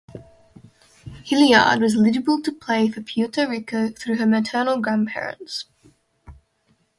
Hilliard was eligible to play for Puerto Rico through her maternal grandparents.